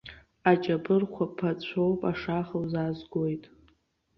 Аҷапырхәа пацәоуп, ашаха узаазгоит.